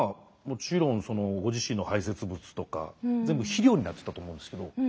もちろんご自身の排泄物とか全部肥料になってたと思うんですけど。